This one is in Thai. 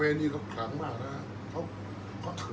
อันไหนที่มันไม่จริงแล้วอาจารย์อยากพูด